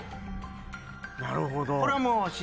なるほど。